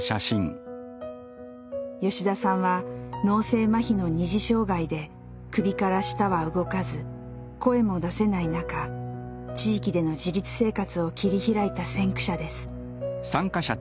吉田さんは脳性まひの二次障害で首から下は動かず声も出せない中地域での自立生活を切り開いた先駆者です。